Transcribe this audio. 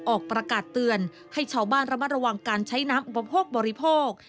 ออกประกาศเตือนให้ชาวบ้านระมัดระวังการใช้น้ำอุปโภคบริโภค